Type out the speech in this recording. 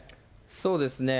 そうですね。